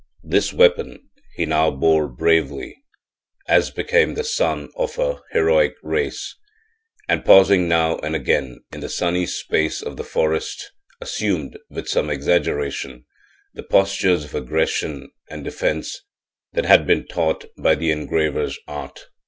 This weapon he now bore bravely, as became the son of an heroic race, and pausing now and again in the sunny space of the forest assumed, with some exaggeration, the postures of aggression and defense that he had been taught by the engraver's art.